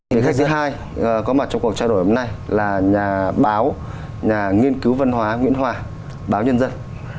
vị khách thứ hai có mặt trong cuộc trao đổi hôm nay là nhà báo nhà nghiên cứu văn hóa nguyễn hòa báo nhân dân